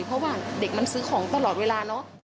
เพราะว่าเด็กมันซื้อของตลอดเวลาเนอะ